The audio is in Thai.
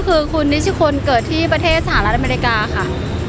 ก็คือคุณนิชิคุณเกิดที่ประเทศสหรัฐอเมริกาค่ะ